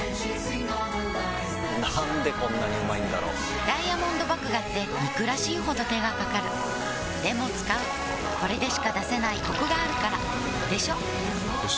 なんでこんなにうまいんだろうダイヤモンド麦芽って憎らしいほど手がかかるでも使うこれでしか出せないコクがあるからでしょよ